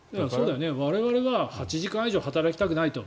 我々は８時間以上働きたくないと。